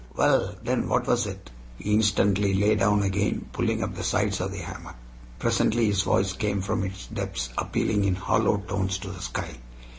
"Well, then what was it?" He instantly lay down again, pulling up the sides of the hammock. Presently his voice came from its depths, appealing in hollow tones to the sky.